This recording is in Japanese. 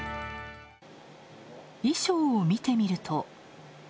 衣装を見てみると。